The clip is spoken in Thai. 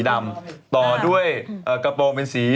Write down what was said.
แล้วอีกที